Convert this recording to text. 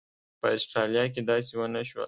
په اسټرالیا کې داسې ونه شول.